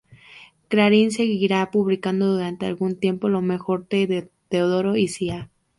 Clarín seguiría publicando durante algún tiempo lo mejor de Teodoro y Cía.